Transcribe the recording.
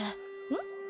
ん？